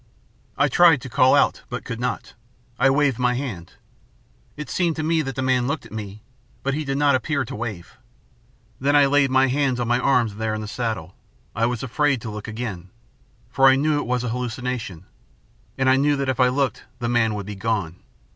I tried to call out but could not. I waved my hand. It seemed to me that the man looked at me, but he did not appear to wave. Then I laid my head on my arms there in the saddle. I was afraid to look again, for I knew it was an hallucination, and I knew that if I looked the man would be gone.